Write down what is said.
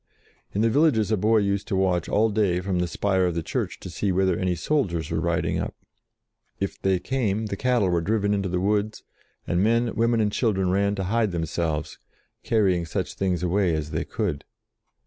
In the villages a boy used to watch all day, from the spire of the church, to see whether any soldiers were riding up. If they came, the cattle were driven into the woods, and HER CHILDHOOD 5 men, women, and children ran to hide them selves, carrying such things away as they could.